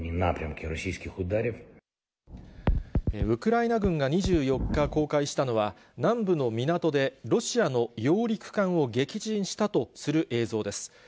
ウクライナ軍が２４日公開したのは、南部の港でロシアの揚陸艦を撃沈したとする映像です。